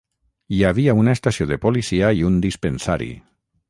Hi havia una estació de policia i un dispensari.